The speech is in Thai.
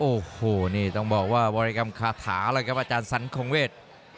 โอ้โหนี่ต้องบอกว่าบริกรรมคาถาเลยครับอาจารย์สันคงเวท